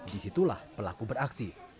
disitulah pelaku beraksi